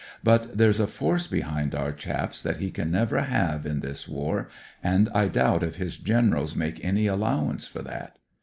But there's a force behind our chaps that he can never have in this war, and I doubt if his generals make any allow ance for that.